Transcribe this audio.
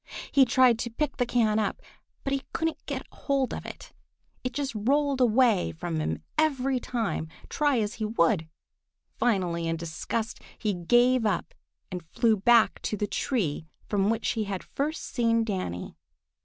He tried to pick the can up, but he couldn't get hold of it. It just rolled away from him every time, try as he would. Finally, in disgust, he gave up and flew back to the tree from which he had first seen Danny.